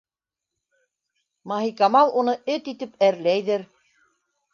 Маһикамал уны эт итеп әрләйҙер.